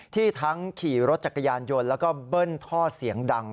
ทั้งขี่รถจักรยานยนต์แล้วก็เบิ้ลท่อเสียงดัง